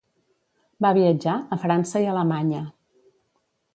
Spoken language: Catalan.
Va viatjar a França i Alemanya.